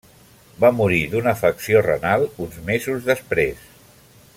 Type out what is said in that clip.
Va morir d'una afecció renal uns mesos després.